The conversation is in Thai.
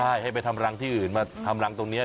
ใช่ให้ไปทำรังที่อื่นมาทำรังตรงนี้